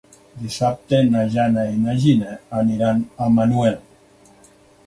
Dissabte na Jana i na Gina aniran a Manuel.